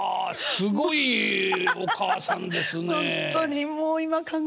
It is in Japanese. すごいお母さんですねえ。